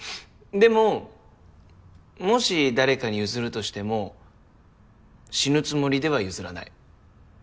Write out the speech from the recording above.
でももし誰かに譲るとしても死ぬつもりでは譲らない。